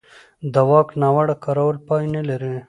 د واک ناوړه کارول پای نه لري